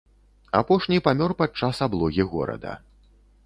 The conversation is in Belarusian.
Апошні памёр падчас аблогі горада.